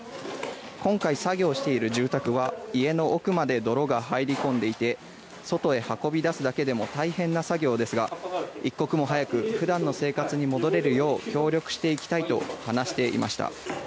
今回、作業している住宅は家の奥まで泥が入り込んでいて外へ運び出すだけでも大変な作業ですが一刻も早く普段の生活に戻れるよう協力していきたいと話していました。